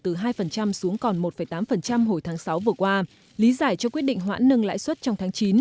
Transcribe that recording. từ hai xuống còn một tám hồi tháng sáu vừa qua lý giải cho quyết định hoãn nâng lãi suất trong tháng chín